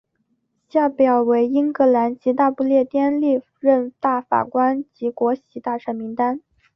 下表为英格兰及大不列颠历任大法官及国玺大臣名单。